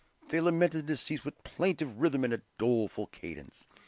They lamented the deceased with a plaintive rhythm and doleful cadence.